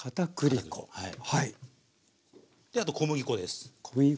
あと小麦粉です。